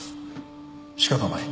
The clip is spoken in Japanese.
仕方ない。